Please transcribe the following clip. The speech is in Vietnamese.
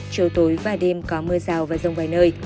chiều tối và đêm có mưa rào và rông vài nơi